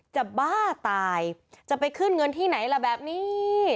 บ้าตายจะไปขึ้นเงินที่ไหนล่ะแบบนี้